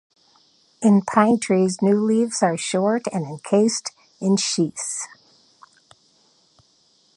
In pine trees new leaves are short and encased in sheaths.